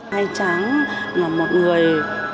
quý tráng là một người